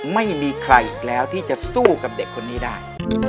ไม่มีใครอีกแล้วที่จะสู้กับเด็กคนนี้ได้